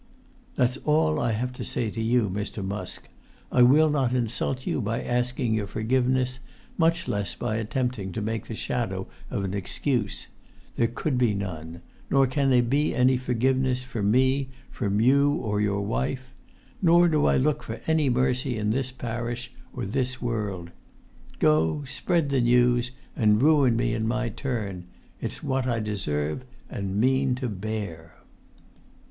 "That is all I have to say to you, Mr. Musk. I will[Pg 26] not insult you by asking your forgiveness, much less by attempting to make the shadow of an excuse; there could be none; nor can there be any forgiveness for me from you or your wife; nor do I look for any mercy in this parish, or this world. Go, spread the news, and ruin me in my turn; it's what I deserve, and mean to bear."